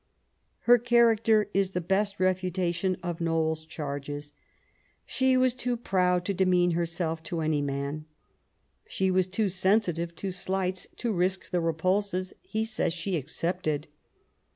Her character is the best refutation of Knowles's charges. She was too proud to demean herself to any man. She was too sensitive to slights to risk the repulses he says she accepted.